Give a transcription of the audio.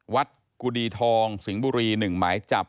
กุดีทองสิงห์บุรี๑หมายจับ